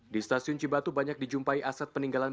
di stasiun cibatu banyak dijumpai aset peninggalan